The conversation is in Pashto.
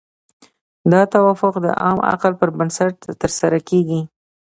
دا توافق د عام عقل پر بنسټ ترسره کیږي.